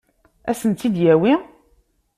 Ad sen-tt-id-yawi?